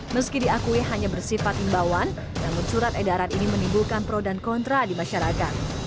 meski diakui hanya bersifat imbauan namun surat edaran ini menimbulkan pro dan kontra di masyarakat